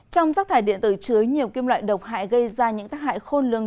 trong rác thải điện tử chứa nhiều kim loại độc hại gây ra những tác hại khôn lường